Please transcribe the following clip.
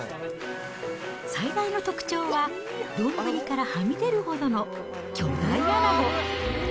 最大の特徴は、丼からはみ出るほどの巨大アナゴ。